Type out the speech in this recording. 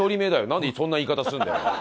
なんでそんな言い方するんだよ。